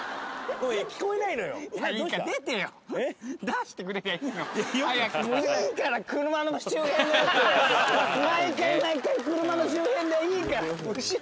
もう毎回毎回車の周辺でいいから。